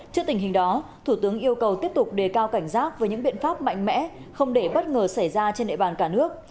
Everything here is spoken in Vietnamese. trước tình hình đó thủ tướng yêu cầu tiếp tục đề cao cảnh giác với những biện pháp mạnh mẽ không để bất ngờ xảy ra trên địa bàn cả nước